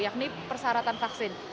yakni persyaratan vaksin